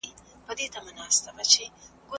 تاسي باید د دغه کوچني سره ښه مینه ولرئ.